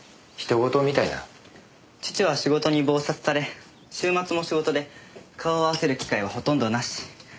父は仕事に忙殺され週末も仕事で顔を合わせる機会はほとんどなし。